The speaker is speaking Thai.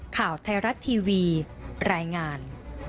ข่าวไทยรัฐทีวีรายงาน